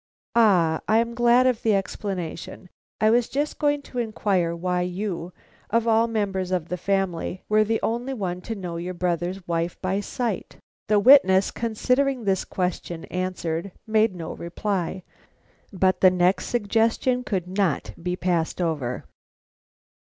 "Ah! I am glad of the explanation! I was just going to inquire why you, of all members of the family, were the only one to know your brother's wife by sight." The witness, considering this question answered, made no reply. But the next suggestion could not be passed over.